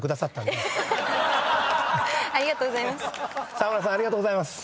沢村さんありがとうございます。